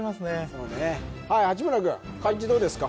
そうねはい八村君漢字どうですか？